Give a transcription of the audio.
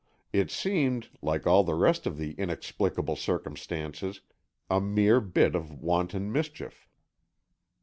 It seemed, like all the rest of the inexplicable circumstances, a mere bit of wanton mischief.